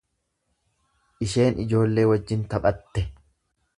Isheen ijoollee wajjin taphatte.